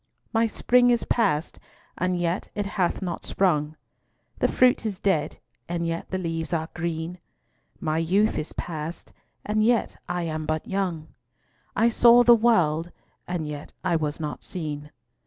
My spring is past, and yet it hath not sprung; The fruit is dead, and yet the leaves are green; My youth is past, and yet I am but young; I saw the world, and yet I was not seen.